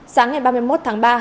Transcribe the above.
sáng ngày ba mươi một tháng ba